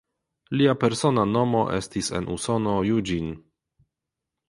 Lia persona nomo estis en Usono "Eugene".